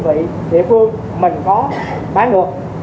đơn vị địa phương mình có bán được